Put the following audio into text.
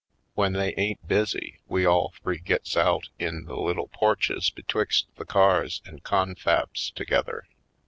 When they ain't busy, we all three gets out in the little porches betwixt the cars and confabs to gether.